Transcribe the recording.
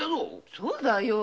そうだよ。